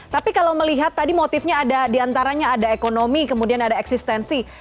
tapi kalau melihat tadi motifnya ada diantaranya ada ekonomi kemudian ada eksistensi